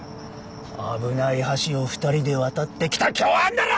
危ない橋を２人で渡ってきた共犯だろ！